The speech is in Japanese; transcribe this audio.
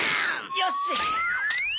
よし！